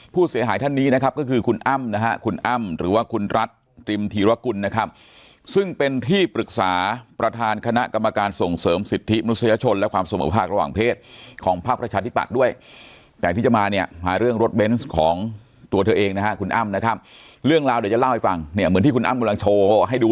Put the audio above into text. ผู้เสียหายท่านนี้นะครับก็คือคุณอ้ำนะครับคุณอ้ำหรือว่าคุณรัฐติมธีรกุลนะครับซึ่งเป็นที่ปรึกษาประธานคณะกรรมการส่งเสริมสิทธิมนุษยชนและความสมบัติภาคระหว่างเพศของภาพประชาธิปัตย์ด้วยแต่ที่จะมาเนี่ยหาเรื่องรถเบนซ์ของตัวเธอเองนะครับคุณอ้ำนะครับเรื่องราวเดี๋ยวจะเล่